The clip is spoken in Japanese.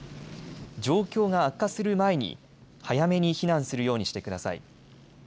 状況が悪化する前に早めに避難するようにしてください。